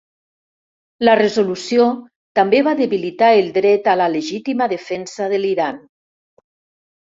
La resolució també va debilitar el dret a la legítima defensa de l'Iran.